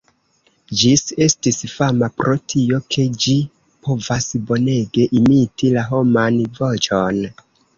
Ĝis estis fama pro tio, ke ĝi povas bonege imiti la homan voĉon.